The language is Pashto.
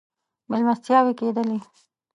مېلمستیاوې کېدلې.